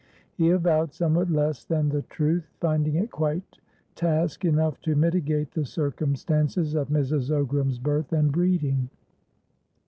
He avowed somewhat less than the truth, finding it quite task enough to mitigate the circumstances of Mrs. Ogram's birth and breeding.